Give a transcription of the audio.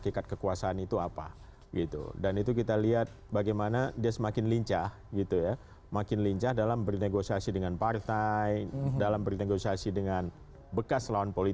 kami akan segera kembali